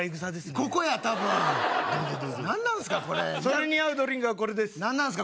これどうぞどうぞそれに合うドリンクがこれです何なんすか